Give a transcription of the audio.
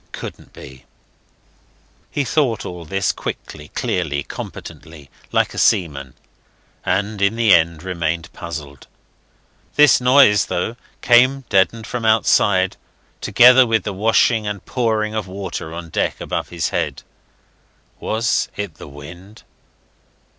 Couldn't be. He thought all this quickly, clearly, competently, like a seaman, and in the end remained puzzled. This noise, though, came deadened from outside, together with the washing and pouring of water on deck above his head. Was it the wind?